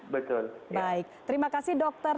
betul baik terima kasih dokter